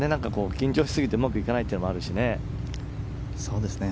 緊張しすぎてうまくいかないのもあるしね。